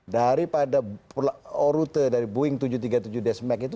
daripada all route dari boeing tujuh ratus tiga puluh tujuh deskmax itu